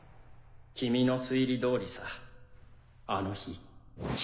君の推理通りさあの日。